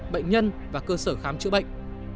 bệnh nhân và cơ sở khám chữa bệnh